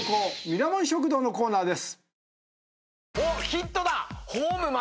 ミラモン食堂のコーナーです。